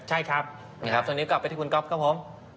ใช่ครับส่วนนี้กลับไปที่คุณก๊อฟครับผม